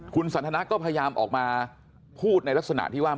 คุณสันทนาก็พยายามออกมาพูดในลักษณะที่ว่า